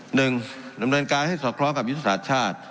หนึ่งดำเนินการให้สอดคล้องกับยุทธศาสตร์ชาติ